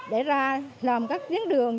để ra làm các tuyến đường